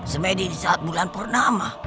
semedi saat bulan purnama